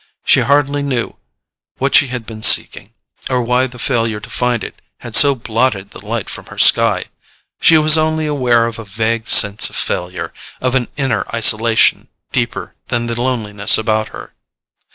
She hardly knew what she had been seeking, or why the failure to find it had so blotted the light from her sky: she was only aware of a vague sense of failure, of an inner isolation deeper than the loneliness about her.